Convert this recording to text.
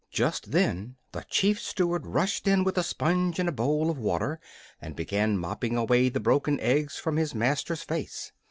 Just then the Chief Steward rushed in with a sponge and a bowl of water, and began mopping away the broken eggs from his master's face.